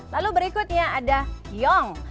lalu berikutnya ada hyung